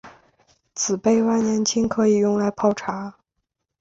紫背万年青可以用来泡茶。